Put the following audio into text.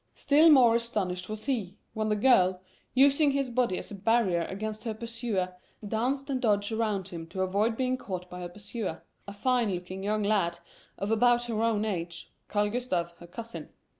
Still more astonished was he, when the girl, using his body as a barrier against her pursuer, danced and dodged around him to avoid being caught by her pursuer a fine looking young lad of about her own age Karl Gustav, her cousin.